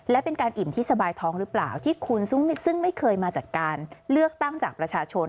และเป็นการอิ่มที่สบายท้องหรือเปล่าที่คุณซึ่งไม่เคยมาจากการเลือกตั้งจากประชาชน